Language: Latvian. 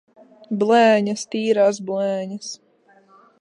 Blēņas! Tīrās blēņas!